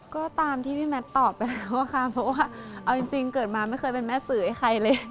ก็ตามที่พี่แมทตอบไปแล้วค่ะเพราะว่าเอาจริงเกิดมาไม่เคยเป็นแม่สื่อให้ใครเลย